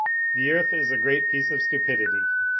The earth is a great piece of stupidity.